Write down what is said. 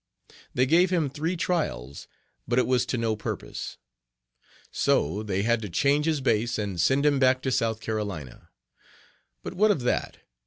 * They gave him three trials, but it was to no purpose ; so they had to change his base and send him back to South Carolina. But what of that?